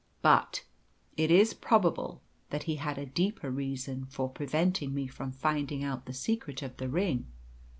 But it is probable that he had a deeper reason for preventing me from finding out the secret of the ring.